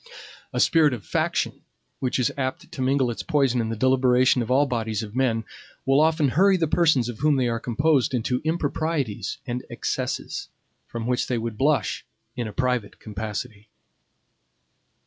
A spirit of faction, which is apt to mingle its poison in the deliberations of all bodies of men, will often hurry the persons of whom they are composed into improprieties and excesses, for which they would blush in a private capacity.